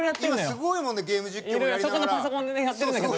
そこのパソコンでやってるんだけどね。